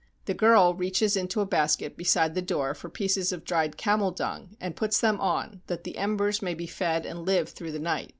The girl reaches into a basket beside the door for pieces of dried camel dung, and puts them on, that the embers may be fed and live through the night.